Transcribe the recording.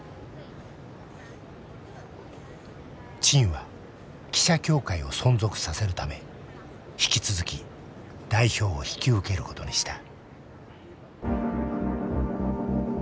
陳は記者協会を存続させるため引き続き代表を引き受けることにした。